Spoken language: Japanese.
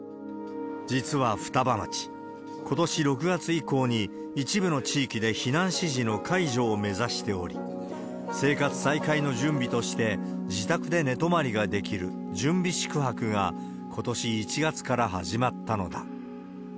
実は双葉町、ことし６月以降に一部の地域で避難指示の解除を目指しており、生活再開の準備として、自宅で寝泊まりができる準備宿泊が、ことし１月から始まったのだ。